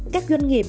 các doanh nghiệp